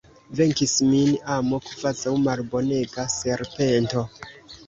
Venkis min amo, kvazaŭ malbonega serpento!